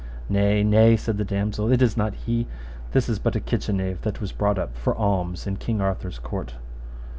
Nay, nay, said the damosel, it is not he; this is but a kitchen knave that was brought up for alms in King Arthur's court.